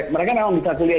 mereka memang bisa kuliah